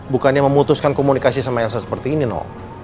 bukannya memutuskan komunikasi sama elsa seperti ini no